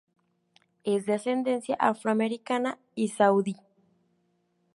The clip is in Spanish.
Es de ascendencia afroamericana y saudí.